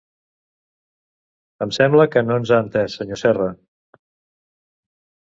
Em sembla que no ens ha entès, senyor Serra.